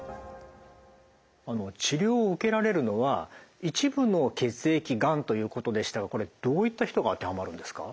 治療を受けられるのは一部の血液がんということでしたがこれどういった人が当てはまるんですか？